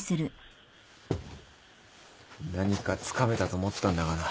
何かつかめたと思ったんだがな。